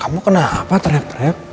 kamu kenapa teriak teriak